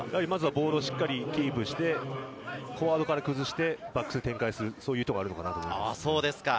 ボールをしっかりキープして、フォワードから崩してバックスで展開するという意図があると思います。